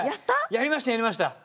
やりましたやりました。